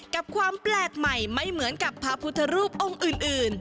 กับความแปลกใหม่ไม่เหมือนกับพระพุทธรูปองค์อื่น